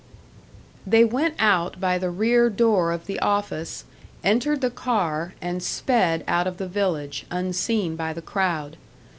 They went out by the rear door of the office, entered the car, and sped out of the village, unseen by the crowd.